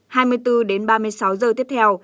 hai mươi bốn ba mươi sáu h tiếp theo